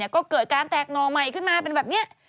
ก็เกิดการแตกหน่อใหม่ขึ้นมาเป็นแบบนี้